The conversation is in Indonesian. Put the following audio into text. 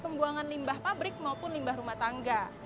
pembuangan limbah pabrik maupun limbah rumah tangga